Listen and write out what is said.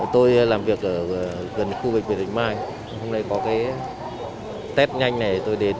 tôi làm việc ở gần khu bệnh viện bạch mai hôm nay có cái test nhanh này tôi đến